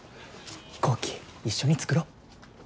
飛行機一緒に作ろ。